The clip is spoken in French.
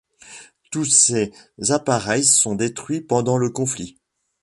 Tous ces appareils sont détruits pendant le conflit.